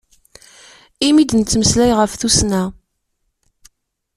Imi i d-nettmeslay ɣef tussna.